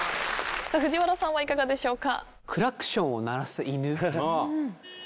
藤原さんはいかがでしょうか？